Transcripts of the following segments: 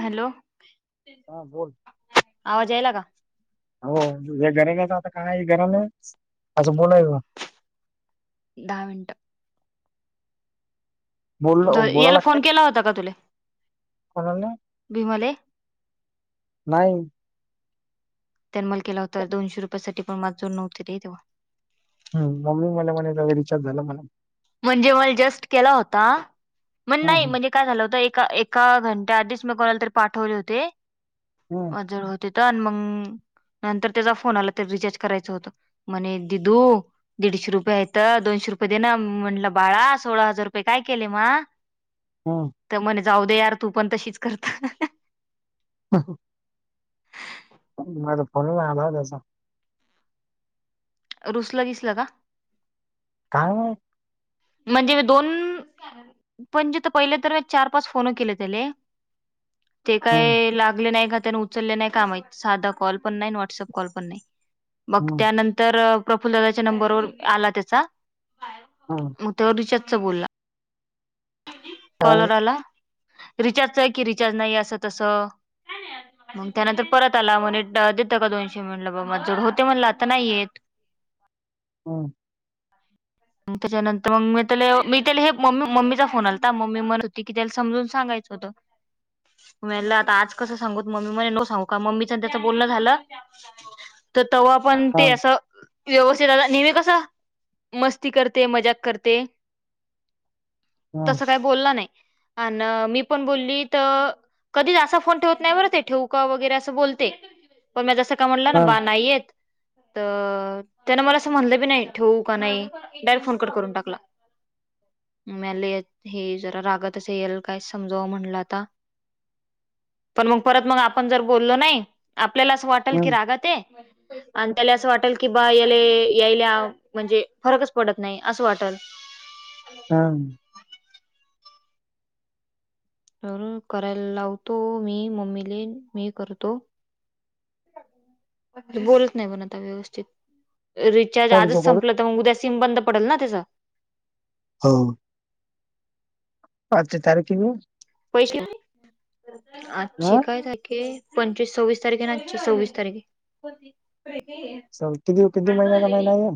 Hello. हा बोल. आवाज यायला का? हो हे घरालाच आता काय घराल असं बोलाय दहा मिनटं. बोल बोला याला फोन लागतंय केला होता का तुला कोणाला. भीमले नाई. त्यान मल केला होता दोनशे रुपया साठी पण माज जोड नव्हते रे तेव्हा. [unintelligible] रिचार्ज झाला म्हणा. म्हणजे मल जस्ट केला होता मण हम्म, नाई म्हणजे काय झालं होतं एक् का एका घंट्या आधीच ला कोणाल तर पाठवले होते. हम् जड होती त न मंग नंतर त्याचा फोन आला तर रिचार्ज करायचं होतं. म्हणे दिदू दीडशे रुपये हायतं दोनशे रुपये दे ना म्हंणलं बाळा सोळा हजार रुपये काय केले म. हम त म्हणे जाऊ दे यार तू पण तशीच करता. ह ह माझा फोनच नाय आला हो त्याचा. रुसला गिसला का? काय माई म्हणजे मी दोन पण जीतं पईले तर मी चार पाच फोन केले त्याले. ते हम्म, काय लागले नाय का त्यानं उ चलले नाई का माहित साधा कॉल पण नाई व्हाट्सअप कॉल पण नाई मग हम्म, त्यानं तर प्रफुल्ल दादाच्या नंबरवर आला त्याचा. हा. म त्यावर रिचारजचा बोलला काय माहित? कॉलर आला. रिचार्जचय की रिचार्ज नाई असं तसं. मंग त्यानंतर परत आला म्हणे ड देता का दोनशे म्हटलं बा म ज जवड होते म्हणलं आता नाईयेत. हम. म त्याच्यानंतर मंग मी त्याले मी त्याले हे मम् मम्मीचा फोन आलाता मम्मी म्हण होती की त्याला समजून सांगायचं होतं. म यानला आता आज कसं सांगुत मम्मी म्हणे न सांगू का मम्मीचन त्याच बोलणं झालं. त तवा पण हा, ते असं व्यवस्थित आता नेहमी कसं मस्त ती करते मजाक करते हा, तसं काय बोलला नाई. अन मी पण बोलली त कधीच असा फोन ठेवत नाई बरं ते ठेऊका वगैरे असं बोलते. पण म्या जसं काय म्हणलं हा, बा नाई येत त त्यानं मला असं म्हणलं बी नाही ठेवू का नाई डायरेक्ट फोन कट करून टाकला. म्याले ए हे जरा रागातचे याल काय समजाव म्हणलं आता. पण मग परत मग आपण जर बोललो नाई आपल्याला असं वाटंल की हम्म, रागाते आण त्याले असं वाटंल की बा याले यायल्या म्हणजे फरकच पडत नाई असं वाटंल. थांब तर.. करायला लावतो मी.. मम्मी.. ले मी करतो. बोलत नाही म्हण आता व्यवस्थित.. रे चार्ज करतो आजच करू संपलं तर मग उद्या सिम बंद पडल ना त्याच? हो आजची तारीख कि.. नी पैसे है.. आजची हा? काय तारीख य पंचवीस.. सव्वीस तारीख हे सव्वीस तारीख [unintelligible] चौथी किती.. किती महिन्याला महिना है यो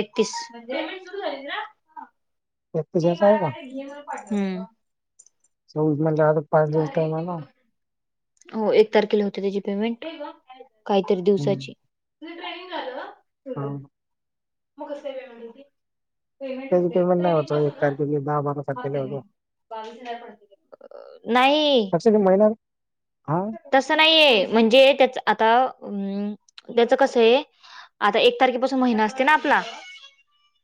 एकतीस.. म्हणजे सुरू झाली ना एकतीसाचा है का? सव्वीस म्हणल्यावर हो.. एक तारखेला होते त्याची पेमेंट काई तरी दिवसाची हो म क स व म्हणगी [inaudible] त्याची पेमेंट नाही होत हो एक तारखेले दहा बारा तारखेला होतो. नाई असे ते महिन आ.. तसं नाहीय.. य म्हणजे त्याच.. आता अं.. त्याचं कसं आहे. आता एक तारखेपासून महिना असते ना आपला..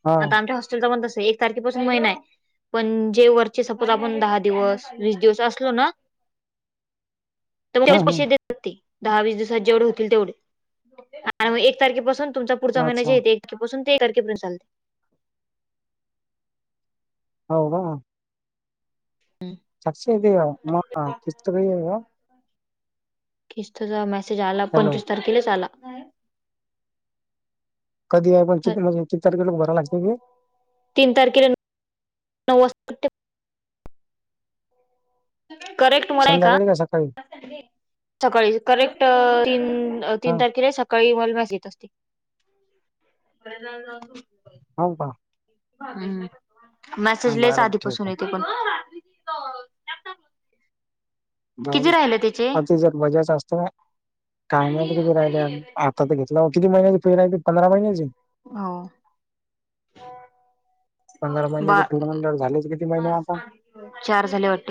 हा आता आमच्या हॉस्प [unintelligible] एक तारखेपासून महिना आहे. पण.. जे वरचे सपोज आपण दहा दिवस, वीस दिवस असलो ना हा तेवढेच हा पैसे देत होती दहा- वीस दिवसात जेवढे होतील तेवढे.. आणि मग एक तारखेपासून तुमच पुढचा महिना अच्छा जे एक तारखेपासून ते एकारखे चालतंय. हाव.. रो.. [unintelligible] किस्तचा मेसेज आला पण हॅलो तीस तारखेलाच आला. कधी आहे पण कि.. किती तारखेला उभाराव लागते हे तीन तारखेला [inaudible] नऊ वाजता करेक्ट मोड आहे का? उद्या सकाळी सकाळी.. करेक्ट ती.. न.. अ.. हा तीन तारखेला सकाळी [inaudible] येत असते लय जाड -जाड धूत ह.. व.. का? हम्म.. हा, मेसेजलईच बरं ठीक आधीपासून आहे येते पण जाऊ किती दे.. राहिले त्याचे? आता तिज्यात मजाच असते. काय माहित किती राहिली अजून.. आता तर घेतलाव किती महिन्या फी राहिली पंधरा महिन्याची हा.. व.. पंधरा बा महिन्याची फी म्हणल्यावर झालेच किती महिने आता चार झाले वाटत.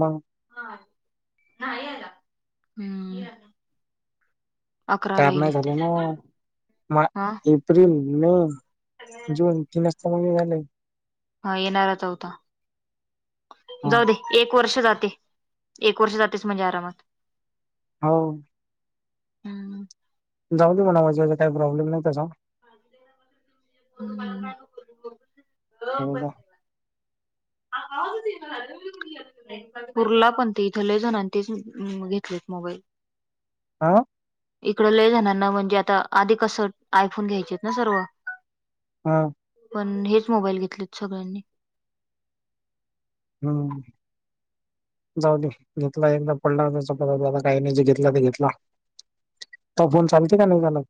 मग नाई आला.. ह्म्म.. चार नाही झाले ना... मा.. हा एप्रिल, मे जून तीनच तर महिने झाले हा येणारा चौथा हा जाऊ दे एक वर्ष जाते एक वर्ष जातेच म्हणजे आरामात. हो. हम्म. जाऊ दे म्हणाव ज्याजा काय प्रॉब्लेम नाही तसा. बरोबर. हम्म. [inaudible] पुरला पण ते इथ लय जणांन तेच घेतलेत मोबाईल. आं? इकडं लय जणांना म्हणजे आता आधी कसं आयफोन घ्यायचेत ना सर्व हां. पण हेच मोबाईल घेतलेत सगळ्यांनी. हम्म. जाऊ दे घेतला एकदा पडला त्याचा [unintelligible] काही नाही घेतला ते घेतला. तुवा फोन चालते का नाही चालत?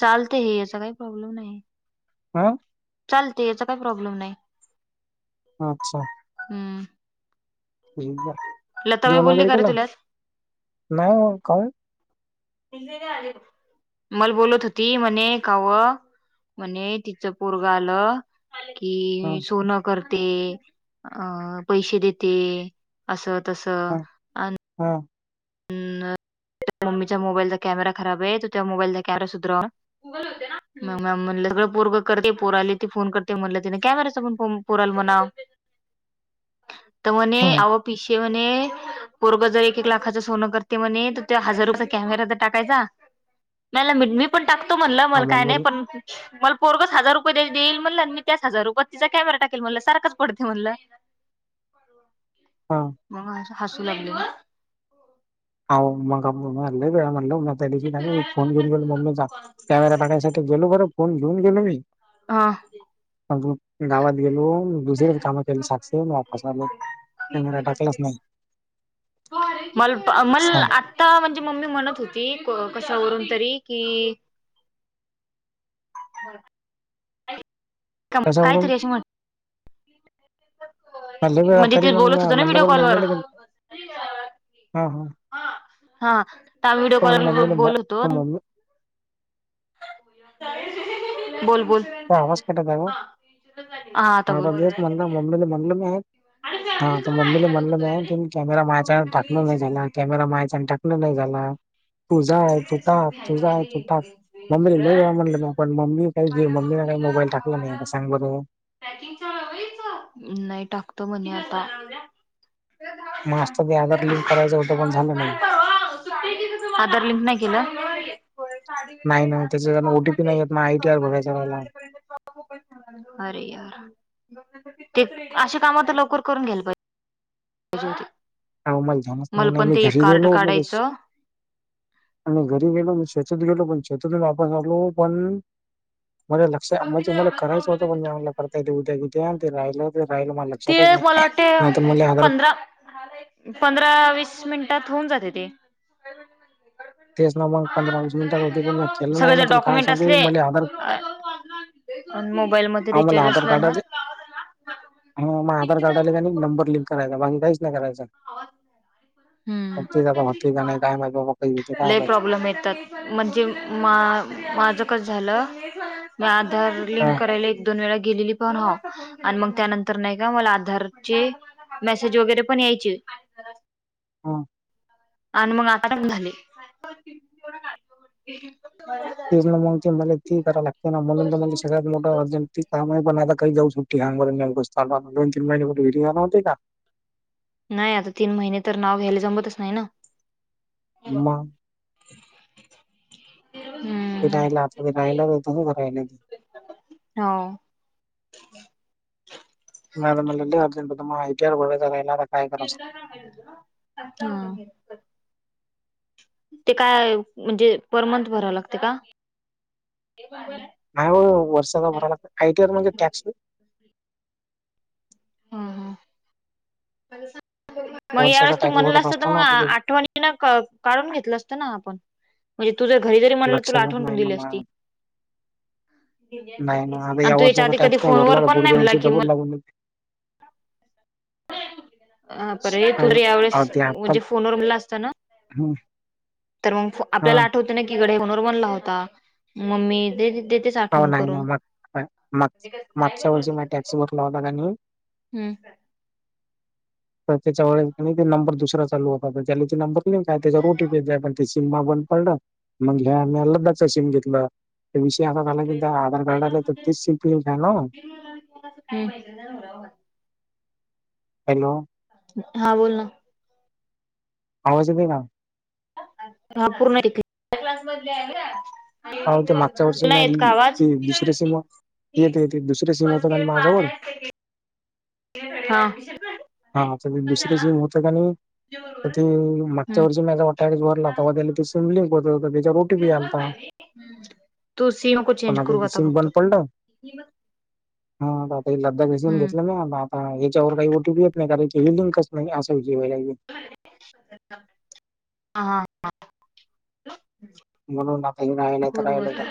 चालते हे याचा काही प्रॉब्लेम नाही. अं? चालते याचा काय प्रॉब्लेम नाही. अच्छा. हम्म. लताबाई जेवण बोलली वगैरे का रे केल तुला नाय वा काय? [inaudible] मला बोलत होती म्हणे कावं म्हणे तिचं पोरगं आलं हा कि सोनं करते अ पैसे देते असं तस. हा हा. अ मम्मीच्या मोबाईलचा कॅमेरा खराबय तर तो त्या कॅमेरा सुधरा. मग म्या म्हणल सगळं पोरग करते पोरली ती फोन करते म्हणलं तिन कॅमेराचा पण फोन पोराला म्हणावं. तर म्हणे हा आव पिसे म्हणे पोरग जर एक एक लाख चं सोनं करते म्हणे तर त्यो हजारचा कॅमेरा तर टाकायचा [unintelligible] पण टाकतो म्हणला हा मला काय नाही मम्मी पण मला पोरगचं हजार रुपये देई देईल म्हणल आणि मी त्याच हजार रुपयात तिचा कॅमेरा टाकेल म्हणलं सारखाच पडते म्हणलं. [unintelligible] हा. मग ह हसू लागली ना. अहो मगा लय वेळा म्हणालो त्या दिवशी त्यानी फोन घेऊ गेलो मम्मीचा कॅमेरा बघायसाठी तर गेलो बर फोन घेऊन गेलो मी. हा. अग मी गावात गेलो दुसरेच काम केलो सातशे मग वापस आलो कॅमेरा टाकलाच नाही. मल मल आ सांग आता म्हणजे मम्मी म्हणत होती कशावरून तरी कि [unintelligible] कम काय तरी अशी म्हण अरे लय वेळा म्हणजे तरी ते मग बोलत म्या होत ना म्हणलं व्हिडिओ बरं कॉलवर मम्मीला की हा हा. हा त्या व्हिडिओ तर मग कॉल वर मम्मीला म- बोलत होतो तर मम्मी बोल बोल. तो आवाज कटत आहे ओ हा आता हा बोल. बघ हेच म्हणलं मम्मीला म्हणलं म्या हा मम्मी म्हणलं म्या कॅमेरा म्ह्यांच्यान टाकणं नाही झाला. कॅमेरा मायाच्यान टाकनं नाही झाला. तु जाय तू टाक तु जाय तु टाक मम्मीला लय वेळा म्हणलं पण मम्मी काही मम्मीला काही मोबाईल टाकला नाही आता सांग बरं. नाही टाकतो म्हणे आता. म आज तर ते आधार लिंक करायचं होतं पण झालं नाही. आधार लिंक नाही केलं? नाही ना त्याचाकडनं ओ टी पी नाहीयत माय आय टी आर बघयच्या राहिलं. अरे यार ते अशे कामं तर लवकर करून घ्याला पाहिजे होते. अहो मला ध्यानच नाही ना पण मी ते एक घरी कार्ड गेलो मगच काढायचं. आणि घरी गेलो मी शेतात गेलो पण शेतातून वापस आलो पण म ते लक्ष म्हणजे मला करायचं होतं पण म्या म्हणलं करता येते उद्या उद्या आणि ते राहिलं. ते राहिल मला ते लक्षातच मला नाही नाही तर मले वाटते आधार पंधरा पंधरा वीस मिनिटात होऊन जाते ते. तेच ना मंग पंधरा वीस मिनिटात होते पण म्या केलो नाही सगळे ना जर तूला काय सांगू मले आधार पण मोबाईल मध्ये रिचार्ज असला ना हा मग आधार कार्डला त्यांनी नंबर लिंक करायचा बाकी काहीच नाही करायचा. हम्म पण तेचं आता होते का नाही काय माहित बाबा कधी होते. काय लय माहित. प्रॉब् लेम येतात म्हणजे मा माझं कसं झालं मी आधार लिंक हां, करायला एक-दोन वेळा गेलेली पण हा आणि मंग त्यानंतर नाही का मला आधारचे मेसेज वगैरे पण यायचे हा. आणि मंग आता बंद झाले. तेचं ना मंग तर मला ते ही करा लागततं ना म्हणून तर मंग सगळ्यात मोठं अर्जंट. ती काम आहे पण आता काही जाऊ सुट्टी हांगर नी उगच चाललो आपण दोन तीन महिने [unintelligible] नव्हते का? नाय आता तीन महिने तर नाव घ्यायला जमतच नाय ना. म [inaudible] हम्म. फिरायला आता वीरायला. [unintelligible] हो नाही रे मला लय अर्जेट होतं माय आय टी आर बघायचं राहिला रा हा. ते काय म्हणजे पर मंथ भराव लागते का? नाही हो वर्षाचा भरायला लागते आय टी आर म्हणजे टॅक्स. हा हा मग वर्षाचा यावेेळेस तू टॅक्स म्हणलं भरत असतं असतो तर मग ना आ आता ते आठवणी नं काढून घेतलं असतं ना आपण. म्हणजे तु जर घरी जरी म्हणला तुला लक्षातच आठवण करून नाही ना दिली मा असती. नाही ना आता आणि या तू याच्या वर्षाचा आदी कधी टॅक्स नाही फोन वर भरला तर पण नाही पुढच्या म्हणला वर्षी कि डबल मल लागून जाते. हा पर तू हे तू अहो जरी अहो, यावेळेस ते म आता जे फोनवर म्हणलं असतं ना हम्म. तर मंग हा आपल्याला आठवते ना की गडे फोनवर बोलला होता मंग मी दे देती हो हो नाही मी मागच्या वर्षी टॅक्स भरला होता का नेहुन. हम्म तर त्याच्या वेळे ते नंबर दुसरा चालू होता ज्याला नंबरि काय त्याच्या रोटी [inaudible] ब पड मग ल सम घेत विषय [inaudible] मला कि आधार कार्ड आलं तर तीच शिपी आहे ना [inaudible] हूं [inaudible] हॅलो! हा बोल ना. आवाज येतोय का? हा पूर्ण येते. आव ते मागच्या वर्षी मी ते दुसरं सी [inaudible] ते ते दुसर सीम होत होतं ना माझ्याजवळ. [unintelligible] हां हा ते दुसरं सिम होतं का नाय ते मागच्या वर्षी वाटतं त्यावेळीस भरलाता होता त्या त सिमलि ब होता त्याच्या रोटी बी आलता [inaudible] तू सिम नको पण चेंज करू आता फक्त- हा आता लदाख रसन हम्म घेतलं ना आता याच्यावर काही ओटीी [inaudible] नाही करायची हिलिंकच नाही असा विजीवाला [inaudible] हा ह म्हणून आता येऊन राहिलं तर करू आता. राहीलं.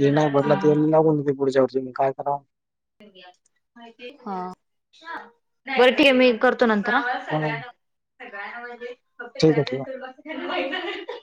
जे नाही भरला तेला लागून पुढच्या वर्षी म काय करावं. हा बरं ठीक मी करते. करतो नंतर हा म्हणून ठीक आहे ठेवा. [inaudible]